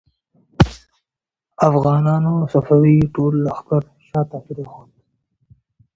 افغانانو د صفوي ټول لښکر شا ته پرېښود.